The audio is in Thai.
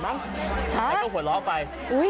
แล้วก็หัวเราะไป